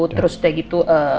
terus udah gitu